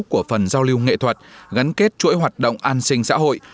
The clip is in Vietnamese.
của phần giao lưu nghệ thuật gắn kết chuỗi hoạt động an sinh xã hội